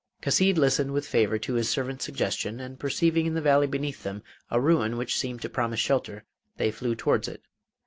Chasid listened with favour to his servant's suggestion, and perceiving in the valley beneath them a ruin which seemed to promise shelter they flew towards it.